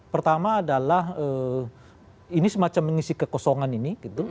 pertama adalah ini semacam mengisi kekosongan ini